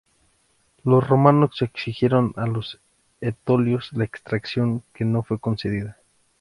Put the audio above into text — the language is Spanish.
Los romanos exigieron a los etolios la extradición, que no fue concedida.